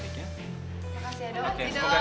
terima kasih ya dok